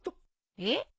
えっ？